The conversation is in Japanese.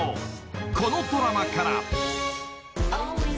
［このドラマから］